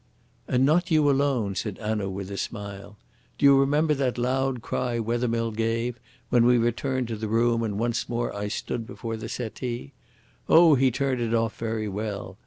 "And not you alone," said Hanaud, with a smile. "Do you remember that loud cry Wethermill gave when we returned to the room and once more I stood before the settee? Oh, he turned it off very well.